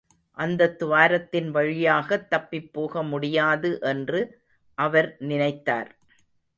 அந்தத் துவாரத்தின் வழியாகத் தப்பிப் போக முடியாது என்று அவர் நினைத்தார்.